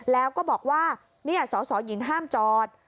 แล้วก็บอกว่านี่อ่ะสศหญิงห้ามจอด